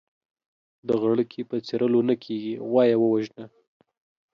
د غړکي په څيرلو نه کېږي ، غوا يې ووژنه.